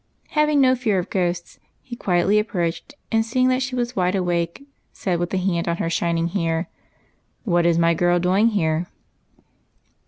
Hav ing no fear of ghosts^ he quietly approached, and, seeing that she was wide awake, said, with a hand on her shining hair, —" What is my girl doing here?"